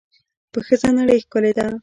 په ښځه نړۍ ښکلې ده.